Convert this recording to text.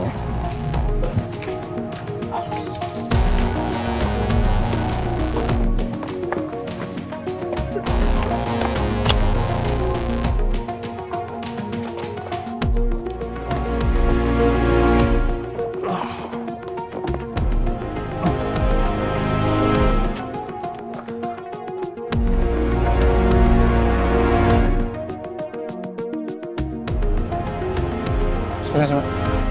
terima kasih pak